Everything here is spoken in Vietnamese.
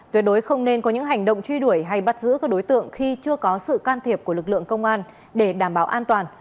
tuyệt đối không nên có những hành động truy đuổi hay bắt giữ các đối tượng khi chưa có sự can thiệp của lực lượng công an để đảm bảo an toàn